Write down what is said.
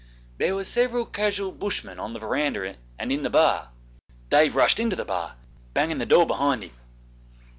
There were several casual Bushmen on the verandah and in the bar; Dave rushed into the bar, banging the door to behind him.